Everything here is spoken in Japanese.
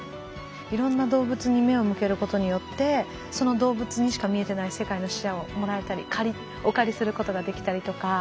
いろんな動物に目を向けることによってその動物にしか見えてない世界の視野をもらえたりお借りすることができたりとか。